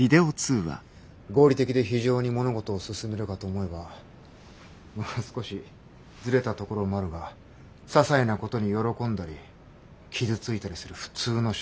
合理的で非情に物事を進めるかと思えばまあ少しずれたところもあるがささいなことに喜んだり傷ついたりする普通の少年でもある。